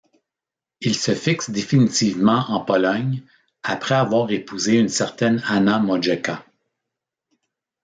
Il se fixe définitivement en Pologne après avoir épousé une certaine Anna Mojecka.